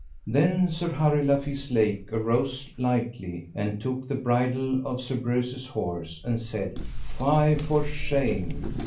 Then Sir Harry le Fise Lake arose lightly, and took the bridle of Sir Breuse's horse, and said: Fie for shame!